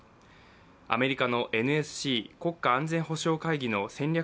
アメリカのＮＳＣ＝国家安全保障会議の戦略